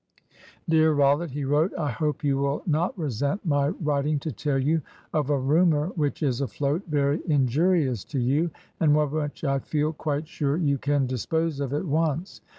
"Dear Rollitt," he wrote, "I hope you will not resent my writing to tell you of a rumour which is afloat very injurious to you, and one which I feel quite sure you can dispose of at once.